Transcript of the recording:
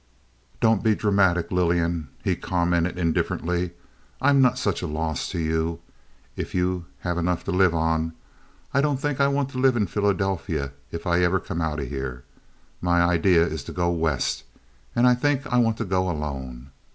"Don't be dramatic, Lillian," he commented, indifferently. "I'm not such a loss to you if you have enough to live on. I don't think I want to live in Philadelphia if ever I come out of here. My idea now is to go west, and I think I want to go alone.